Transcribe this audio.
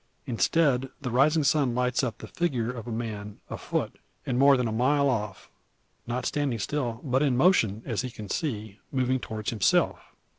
Instead, the rising sun lights up the figure of a man, afoot, and more than a mile off. Not standing still, but in motion; as he can see, moving towards himself.